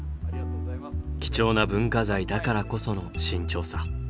貴重な文化財だからこその慎重さ。